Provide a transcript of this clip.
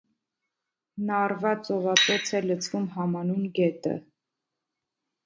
Նառվա ծովածոց է լցվում համանուն գետը։